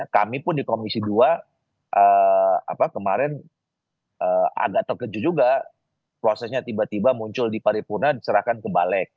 kami pun di komisi dua kemarin agak terkejut juga prosesnya tiba tiba muncul di paripurna diserahkan ke balek